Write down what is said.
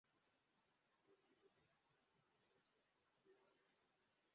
Umwana muto agenda yerekeza kumuryango wumuhanda